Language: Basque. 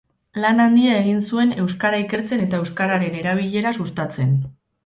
Lan handia egin zuen euskara ikertzen eta euskararen erabilera sustatzen.